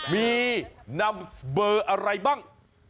มีนำเบอร์อะไรบ้าง